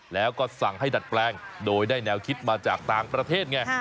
แล้วก็สั่งให้ดัดแปลงโดยได้แนวคิดมาจากต่างประเทศไง